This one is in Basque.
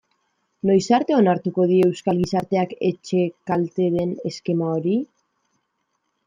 Noiz arte onartuko dio euskal gizarteak etxekalte den eskema hori?